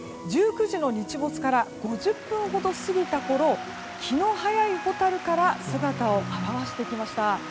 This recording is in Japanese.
１９時の日没から５０分ほど過ぎたころ気の早いホタルから姿を現してきました。